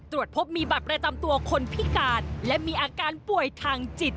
ตรวจพบมีบัตรประจำตัวคนพิการและมีอาการป่วยทางจิต